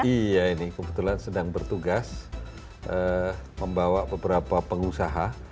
iya ini kebetulan sedang bertugas membawa beberapa pengusaha